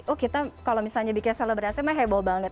oh kita kalau misalnya bikin selebrasi mah heboh banget